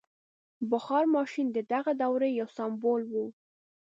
• بخار ماشین د دغې دورې یو سمبول و.